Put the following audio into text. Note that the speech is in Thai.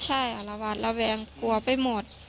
ใช่อ่ะว่าตราแวงกลัวไปหมด